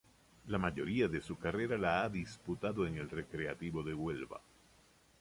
La mayoría de su carrera la ha disputado en el Recreativo de Huelva.